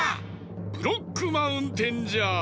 ブロックマウンテンじゃ！